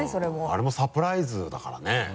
あれもサプライズだからね。